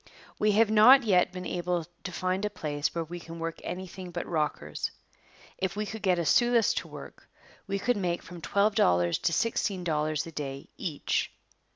We have not yet been able to find a place where we can work anything but rockers. If we could get a sluice to work, we could make from twelve dollars to sixteen dollars a day each.